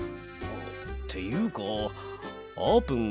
っていうかあーぷん